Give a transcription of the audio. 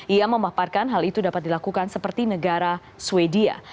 ia memaparkan hal itu dapat dilakukan seperti negara sweden